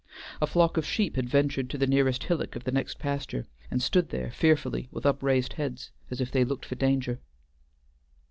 A flock of sheep had ventured to the nearest hillock of the next pasture, and stood there fearfully, with upraised heads, as if they looked for danger.